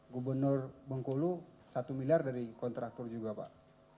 gubernur bengkulu satu miliar dari kontraktor juga pak